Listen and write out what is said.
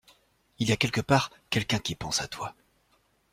Il y a quelque part quelqu’un qui pense à toi.